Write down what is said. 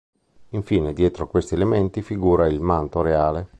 Infine, dietro a questi elementi, figura il manto reale.